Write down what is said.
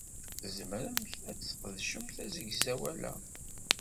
Tzemremt ad tesqedcemt asegzawal-a.